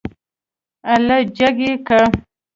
اله جګ يې که.